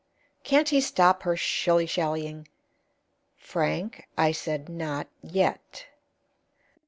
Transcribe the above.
"Can't he stop her shillyshallying?" "Frank, I said 'Not yet.'"